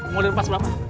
mau di lepas berapa